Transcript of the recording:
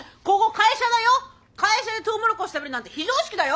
会社でとうもろこし食べるなんて非常識だよ！